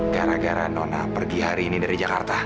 gara gara nona pergi hari ini dari jakarta